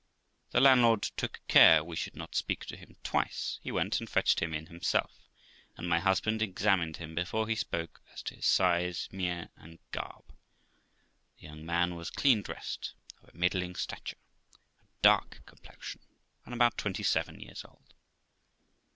The landlord took care we should not speak to him twice, he went and fetched him in himself, and my husband examined him before he spoke, as to his size, mien, and garb. The young man was clean dressed, of a middling stature, a dark complexion, and about twenty seven years old.